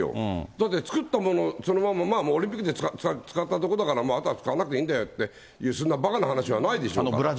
だって作ったもの、そのままオリンピックで使ったところだから、あとは使わなくていいんだよって、そんなばかな話はないでしょうが。